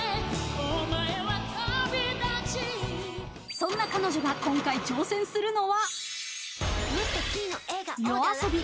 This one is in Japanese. そんな彼女が今回挑戦するのはＹＯＡＳＯＢＩ